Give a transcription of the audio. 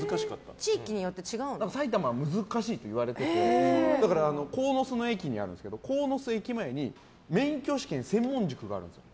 埼玉は難しいといわれてて鴻巣の駅にあるんですけど鴻巣駅前に免許試験専門塾があるんですよ。